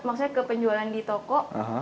maksudnya ke penjualan di toko